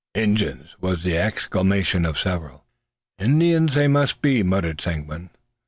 "Injuns!" was the exclamation of several. "Indians they must be," muttered Seguin.